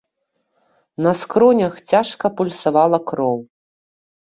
На скронях цяжка пульсавала кроў.